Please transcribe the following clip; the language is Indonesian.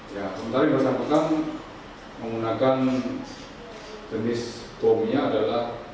ya sementara yang bersangkutan menggunakan jenis bomnya adalah